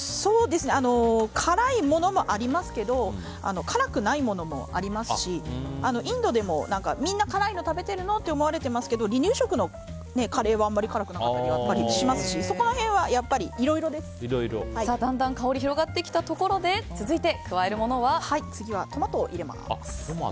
辛いものもありますけど辛くないものもありますしインドでもみんな辛いの食べていると思われますけど離乳食のカレーはあんまり辛くなかったりしますしだんだん香り広がってきたところでトマトを入れます。